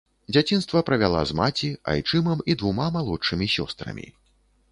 Дзяцінства правяла з маці, айчымам і двума малодшымі сёстрамі.